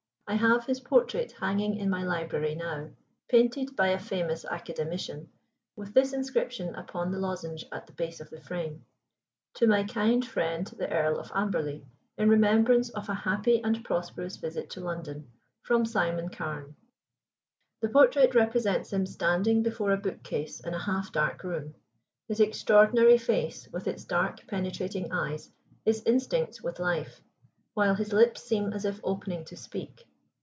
I have his portrait hanging in my library now, painted by a famous Academician, with this inscription upon the lozenge at the base of the frame: "To my kind friend, the Earl of Amberley, in remembrance of a happy and prosperous visit to London, from Simon Carne." The portrait represents him standing before a book case in a half dark room. His extraordinary face, with its dark penetrating eyes, is instinct with life, while his lips seem as if opening to speak.